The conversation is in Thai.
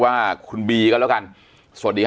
อันดับสุดท้าย